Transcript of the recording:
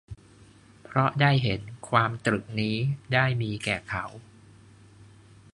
เพราะได้เห็น ความตรึกนี้ ได้มีแก่เขา